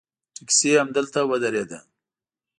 ټیکسي همدلته ودرېده.